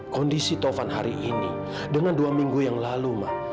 kondisi tovan hari ini dengan dua minggu yang lalu mbak